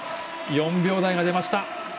４秒台が出ました。